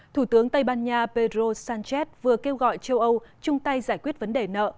thủ tướng tây ban nha pedro sánchez vừa kêu gọi châu âu chung tay giải quyết vấn đề nợ